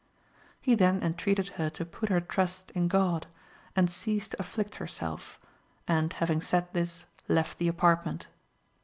He then entreated her to put her trust in God, and cease to afflict herself, and having said this, left the apartment.